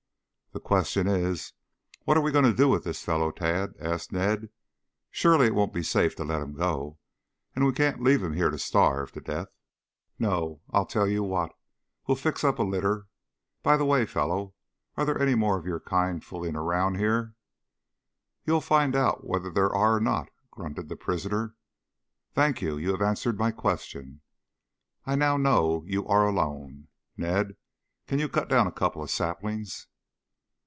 "The question is, what are we going to do with this fellow, Tad?" asked Ned. "Surely it won't be safe to let him go, and we can't leave him here to starve to death." "No. I'll tell you what. We will fix up a litter by the way, fellow, are there any more of your kind fooling about here?" "You'll find out whether there are or not," grunted the prisoner. "Thank you. You have answered my question. I now know you are alone. Ned, can you cut down a couple of saplings?"